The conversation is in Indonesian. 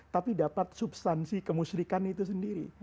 tapi dapat substansi kemusyrikan itu sendiri